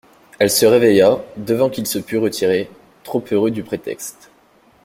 Elle se réveilla, devant qu'il se pût retirer, trop heureux du prétexte.